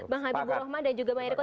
bang habib bang rahman dan juga bang eriko